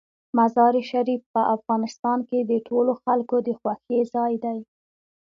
مزارشریف په افغانستان کې د ټولو خلکو د خوښې ځای دی.